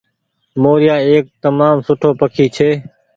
موريآ ايڪ تمآم سٺو پکي ڇي۔